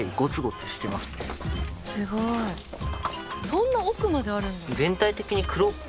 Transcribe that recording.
そんな奥まであるんだ。